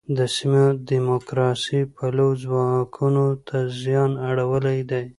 د سیمې دیموکراسي پلوو ځواکونو ته زیان اړولی دی.